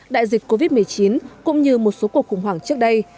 đại dịch covid một mươi chín cũng như một số cuộc khủng hoảng trước đây